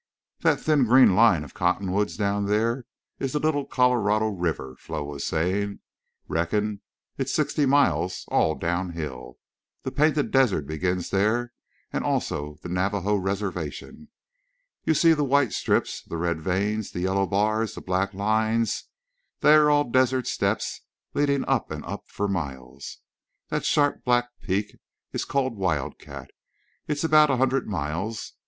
"That thin green line of cottonwoods down there is the Little Colorado River," Flo was saying. "Reckon it's sixty miles, all down hill. The Painted Desert begins there and also the Navajo Reservation. You see the white strips, the red veins, the yellow bars, the black lines. They are all desert steps leading up and up for miles. That sharp black peak is called Wildcat. It's about a hundred miles.